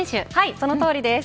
そのとおりです。